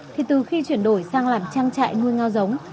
thì từ khi chuyển đổi sang làm trang trại nuôi ngao giống